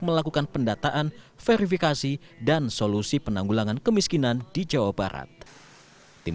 melakukan pendataan verifikasi dan solusi penanggulangan kemiskinan di jawa barat tim